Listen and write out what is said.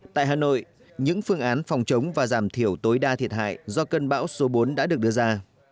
tại hà nội những phương án phòng chống và giảm thiểu tối đa thiệt hại do cơn bão số bốn đã được đưa ra